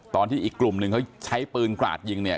ตอนที่อีกกลุ่มหนึ่งเขาใช้ปืนกราดยิงเนี่ย